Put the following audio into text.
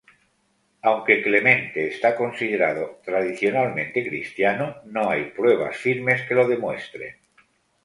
Aunque Clemente está considerado tradicionalmente cristiano, no hay pruebas firmes que lo demuestren.